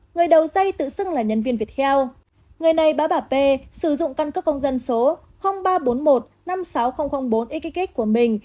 người đầu dây tự xưng là nhân viên việt heo người này báo bà p sử dụng căn cấp công dân số ba trăm bốn mươi một năm mươi sáu nghìn bốn ekikx của mình